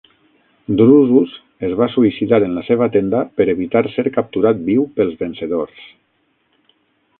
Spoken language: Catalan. Drusus es va suïcidar en la seva tenda per evitar ser capturat viu pels vencedors.